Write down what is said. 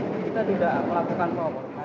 kita tidak melakukan power